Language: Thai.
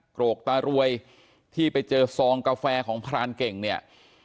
โกรกตารวยที่ไปเจอซองกาแฟของพรานเก่งเนี่ย